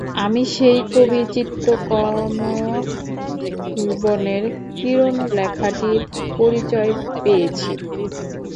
আমি সেই কবিচিত্তকমলবনের কিরণলেখাটির পরিচয় পেয়েছি।